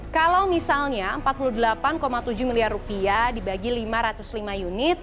kalau misalnya empat puluh delapan tujuh miliar rupiah dibagi lima ratus lima unit